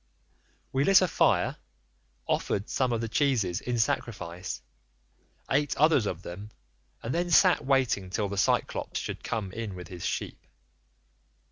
"We lit a fire, offered some of the cheeses in sacrifice, ate others of them, and then sat waiting till the Cyclops should come in with his sheep.